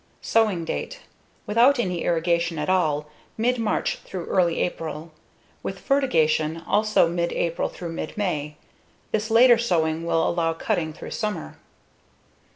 _Sowing date:_Without any irrigation at all, mid March through early April. With fertigation, also mid April through mid May. This later sowing will allow cutting through summer.